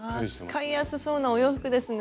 使いやすそうなお洋服ですね